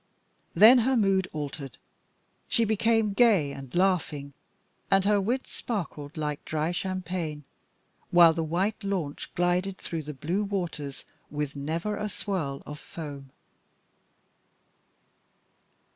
Then her mood altered, she became gay and laughing, and her wit sparkled like dry champagne, while the white launch glided through the blue waters with never a swirl of foam.